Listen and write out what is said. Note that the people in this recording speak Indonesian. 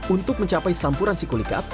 untuk mencapai sampuran sikulikat